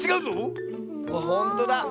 ほんとだ！